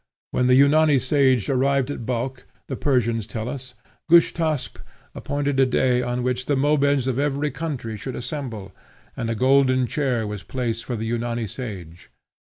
When the Yunani sage arrived at Balkh, the Persians tell us, Gushtasp appointed a day on which the Mobeds of every country should assemble, and a golden chair was placed for the Yunani sage.